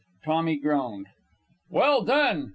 Tommy groaned. "Well done!"